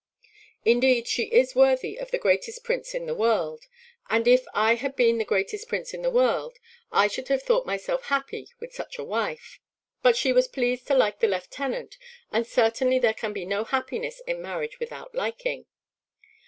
Indeed, she is worthy of the greatest prince in the world; and, if I had been the greatest prince in the world, I should have thought myself happy with such a wife; but she was pleased to like the lieutenant, and certainly there can be no happiness in marriage without liking."